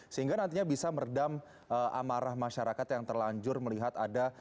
sehingga nantinya bisa meredam amarah masyarakat yang terlanjur melihat ada